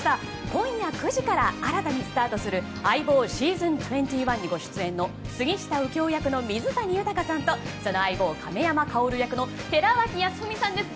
今夜９時から新たにスタートする「相棒シーズン２１」にご出演の杉下右京役の水谷豊さんとその相棒、亀山薫役の寺脇康文さんです。